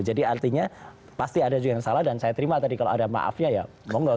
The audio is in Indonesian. jadi artinya pasti ada juga yang salah dan saya terima tadi kalau ada maafnya ya mohon goh